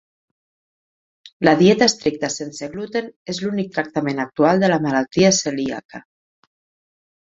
La dieta estricta sense gluten és l'únic tractament actual de la malaltia celíaca.